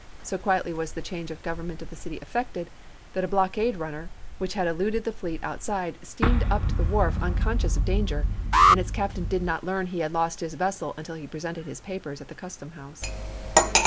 So quietly was the change in the government of the city effected, that THE MARCH TO THE SEA 493 a blockade runner, which had eluded the fleet out chap.xx. side, steamed up to the wharf unconscious of danger, and its captain did not learn he had lost his vessel until he presented his papers at the Custom House.